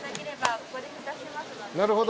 なるほど。